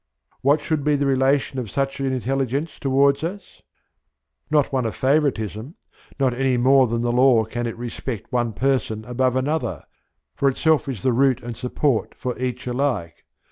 What should be the relation of such an intelligence towards us? Not one of favouritism: not any more than the Law can it respect one person above another, for itself is the root and support for each alike.